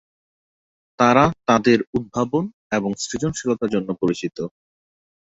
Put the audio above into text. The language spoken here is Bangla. তাঁরা তাঁদের উদ্ভাবন এবং সৃজনশীলতার জন্য পরিচিত।